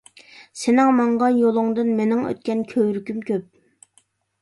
سېنىڭ ماڭغان يولۇڭدىن، مېنىڭ ئۆتكەن كۆۋرۈكۈم كۆپ.